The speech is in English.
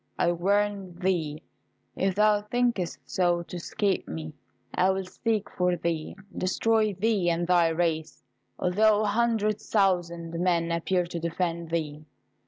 I warn thee, if thou thinkest so to escape me, I will seek for thee, and destroy thee and thy race, although a hundred thousand men appear to defend thee."